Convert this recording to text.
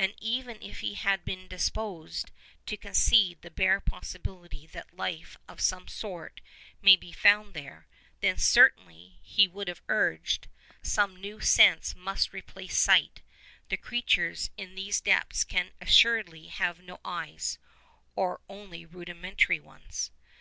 And even if he had been disposed to concede the bare possibility that life of some sort may be found there, then certainly, he would have urged, some new sense must replace sight—the creatures in these depths can assuredly have no eyes, or only rudimentary ones.